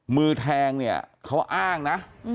มือแทงเขาอ้างนะ